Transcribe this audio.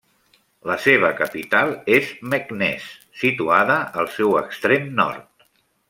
La seva capital és Meknès, situada al seu extrem nord.